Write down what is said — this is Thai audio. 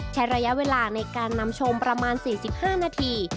ใช้ระยะเวลาในการนำชมประมาณ๔๕นาที